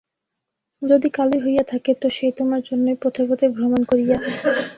যদি কালােই হইয়া থাকে তো সে তােমার জন্যই পথে পথে ভ্রমণ করিয়া।